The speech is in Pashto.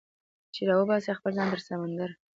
چې راوباسي خپل ځان تر سمندره